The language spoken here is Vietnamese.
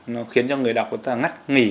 nó khiến cho người đọc của ta ngắt nghỉ